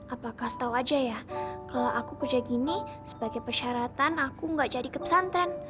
apakah setau aja ya kalau aku kerja gini sebagai persyaratan aku gak jadi ke pesantren